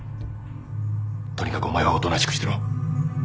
とにかくお前はおとなしくしてろ。